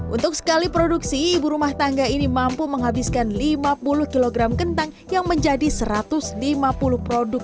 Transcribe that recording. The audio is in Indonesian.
untuk sekali produksi ibu rumah tangga ini mampu menghabiskan lima puluh kg kentang yang menjadi satu ratus lima puluh produk